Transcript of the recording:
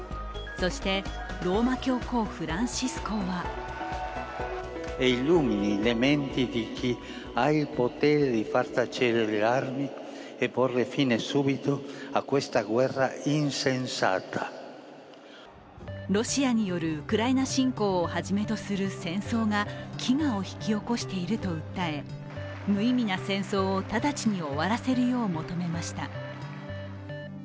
そして、ローマ教皇フランシスコはロシアによるウクライナ侵攻をはじめとする戦争が飢餓を引き起こしていると訴え無意味な戦争をただちに終わらせるよう求めました。